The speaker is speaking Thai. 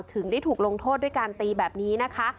ถึงได้ถูกลงโทษด้วยการตีแบบนี้นะคะ